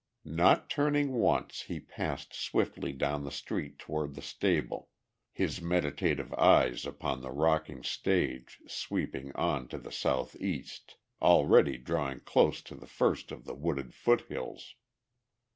Not turning once he passed swiftly down the street toward the stable, his meditative eyes upon the rocking stage sweeping on to the south east, already drawing close to the first of the wooded foothills.